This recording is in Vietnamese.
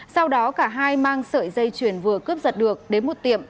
sau đó cả hai mang sợi dây chuyền vừa cướp giật được đến một tiệm